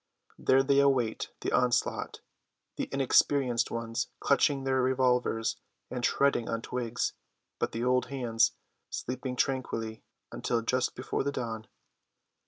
There they await the onslaught, the inexperienced ones clutching their revolvers and treading on twigs, but the old hands sleeping tranquilly until just before the dawn.